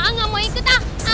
nggak mau ikut